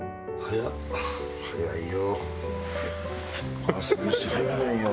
早いよ。